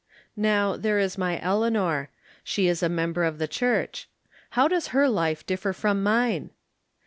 Now, there is my Eleanor. She is a member of the Church. How does her life differ from mine